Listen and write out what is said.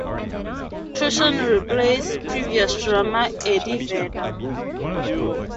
Krusen replaced previous drummer Eddie Vedder.